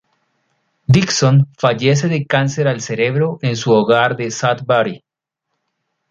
Dickson fallece de cáncer al cerebro en su hogar de Sudbury.